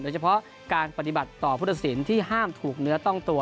เฉพาะการปฏิบัติต่อผู้ตัดสินที่ห้ามถูกเนื้อต้องตัว